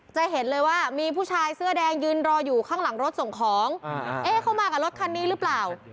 จะเห็นเลยว่ามีผู้ชายเสื้อแดงยืนรออยู่ข้างหลังรถส่งของเอ๊ะเข้ามากับรถคันนี้หรือเปล่า